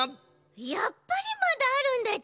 やっぱりまだあるんだち？